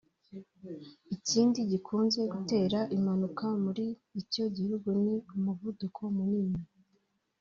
Ikindi gikunze gutera impanuka muri icyo gihugu ni umuvuduko munini